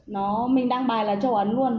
nó mình đăng bài là châu ấn luôn